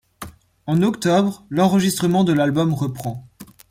En octobre, l'enregistrement de l'album reprend.